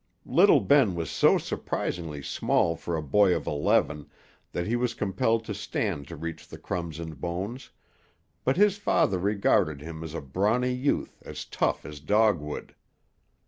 Little Ben was so surprisingly small for a boy of eleven that he was compelled to stand to reach the crumbs and bones, but his father regarded him as a brawny youth as tough as dogwood.